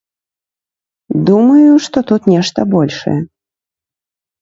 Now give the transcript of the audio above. Думаю, што тут нешта большае.